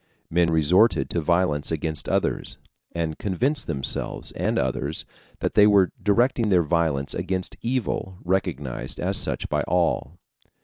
Men resorted to violence against others, and convinced themselves and others that they were directing their violence against evil recognized as such by all.